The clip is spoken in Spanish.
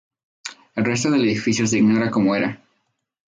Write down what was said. El resto del edificio se ignora cómo era.